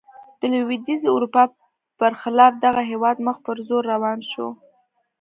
د لوېدیځې اروپا برخلاف دغه هېواد مخ پر ځوړ روان شو.